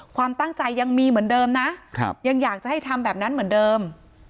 ความตั้งใจยังมีเหมือนเดิมนะยังอยากจะให้ทำแบบนั้นเหมือนเดิม